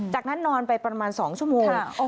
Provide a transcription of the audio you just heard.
จากนั้นนอนไปประมาณ๒ชั่วโมง